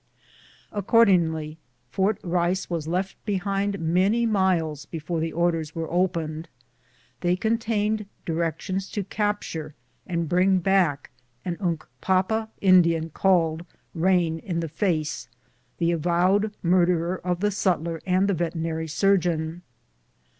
Accordingly, Fort Eice was left behind many miles before the orders were oj>eued. They contained direc tions to capture and bring back an Uncapapa Indian, <jalled Eain in the face, the avowed murderer of the sutler and the veterinary surgeon.